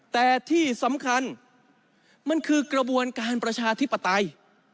แต่ที่สำคัญมันคือกระบวนการประชาธิปไตย